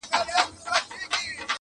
ستا د کیږدۍ له ماښامونو سره لوبي کوي.!